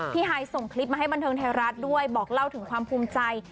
ฮายส่งคลิปมาให้บันเทิงไทยรัฐด้วยบอกเล่าถึงความภูมิใจ